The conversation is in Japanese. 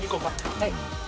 はい。